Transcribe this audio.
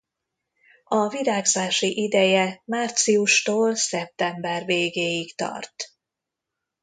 A virágzási ideje márciustól szeptember végéig tart.